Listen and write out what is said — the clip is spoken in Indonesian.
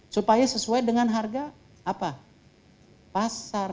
supaya sesuai dengan harga pasar